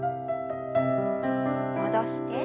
戻して。